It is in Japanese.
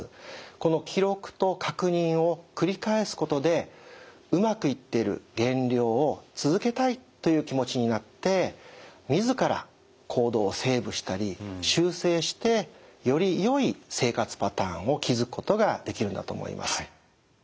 この記録と確認を繰り返すことでうまくいっている減量を続けたいという気持ちになって自ら行動をセーブしたり修正してよりよい生活パターンを築くことができるんだと思います。